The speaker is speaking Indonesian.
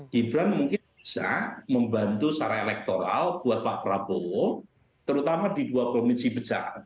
gibran mungkin bisa membantu secara elektoral buat pak prabowo terutama di dua provinsi besar